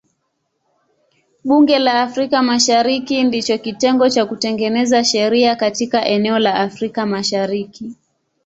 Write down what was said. Bunge la Afrika Mashariki ndicho kitengo cha kutengeneza sheria katika eneo la Afrika Mashariki.